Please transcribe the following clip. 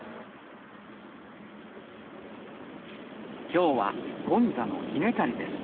今日は権座の稲刈りです